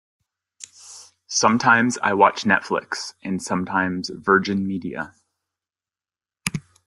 Sometimes I watch Netflix, and sometimes Virgin Media.